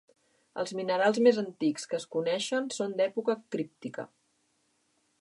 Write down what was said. Els minerals més antics que es coneixen són d'època críptica.